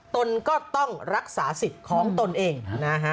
ตนก็ต้องรักษาสิทธิ์ของตนเองนะฮะ